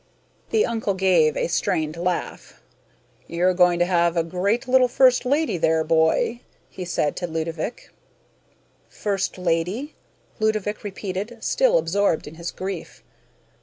The uncle gave a strained laugh. "You're going to have a great little first lady there, boy," he said to Ludovick. "First lady?" Ludovick repeated, still absorbed in his grief.